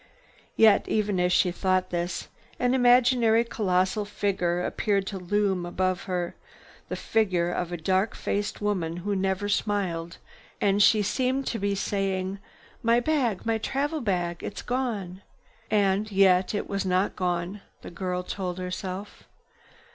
Yet, even as she thought this, an imaginary colossal figure appeared to loom above her, the figure of a dark faced woman who never smiled, and she seemed to be saying: "My bag! My traveling bag! It is gone!" "And yet it was not gone," the girl told herself.